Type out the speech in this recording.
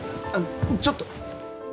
あのちょっと。